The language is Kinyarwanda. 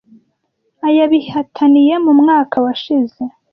ayabihataniye mu mwaka washize